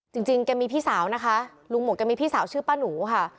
จริงแกมีพี่สาวนะคะลุงหมดแกมีพี่สาวชื่อป้าหนูค่ะ